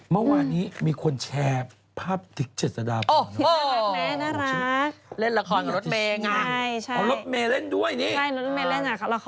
เมื่อวานนี้มีคนแชร์ภาพติ๊กเจ็ดสดาโอ๊ยน่ารักแม่น่ารัก